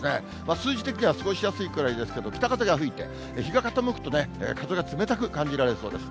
数字的には過ごしやすいくらいですけれども、北風が吹いて、日が傾くと、風が冷たく感じられそうです。